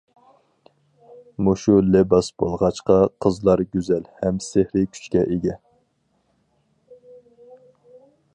مۇشۇ لىباس بولغاچقا قىزلار گۈزەل ھەم سېھرىي كۈچكە ئىگە.